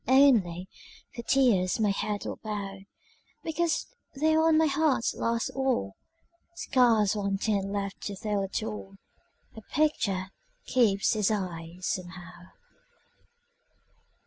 Only, for tears my head will bow, Because there on my heart's last wall, Scarce one tint left to tell it all, A picture keeps its eyes, somehow.